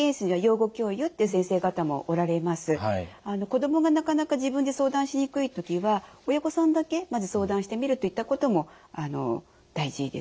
子どもがなかなか自分で相談しにくい時は親御さんだけまず相談してみるといったことも大事ですね。